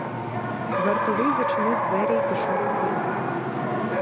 Вартовий зачинив двері й пішов уперед.